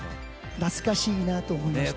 懐かしいなと思いました。